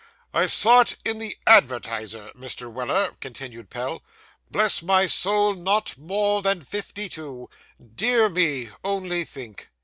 'I saw it in the ADVERTISER, Mr. Weller,' continued Pell. 'Bless my soul, not more than fifty two! Dear me only think.